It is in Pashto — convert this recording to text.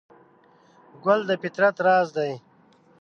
ګل د فطرت راز دی.